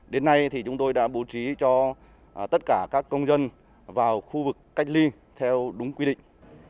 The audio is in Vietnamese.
đến nay thì chúng tôi đã bố trí cho tất cả các công dân vào khu vực cách ly theo đúng quy định